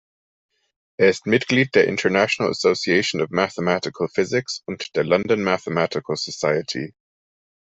Er ist Mitglied der International Association of Mathematical Physics und der London Mathematical Society.